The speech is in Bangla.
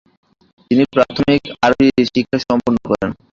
তিনি প্রাথমিক আরবি শিক্ষা সম্পন্ন করেন।